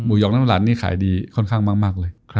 หยอกน้ำหลันนี่ขายดีค่อนข้างมากเลย